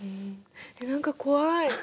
何か怖い。